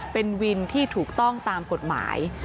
เป็นวินที่ถูกต้องตามกฎหมาย